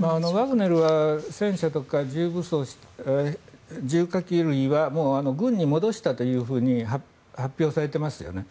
ワグネルは戦車とか重火器類はもう軍に戻したと発表されていますよね。